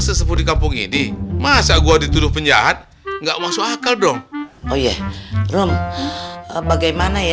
sempurna kampung ini masa gua dituduh penjahat nggak masuk akal dong oh iya rom bagaimana ya